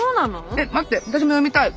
えっ待って私も読みたい。